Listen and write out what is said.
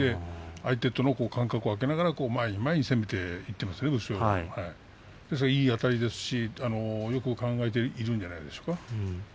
相手との間隔を空けていますねいいあたりですしよく考えているんじゃないでしょうか。